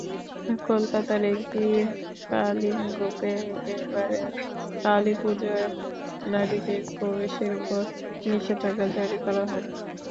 কলকাতার একটি কালীমণ্ডপে এবারের কালীপূজায় নারীদের প্রবেশের ওপর নিষেধাজ্ঞা জারি করা হয়।